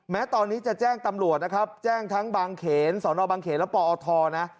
แม้ตอนนี้จะแจ้งตำรวจนะครับแจ้งทั้งบางเขนสอนอบางเขนและปอทนะ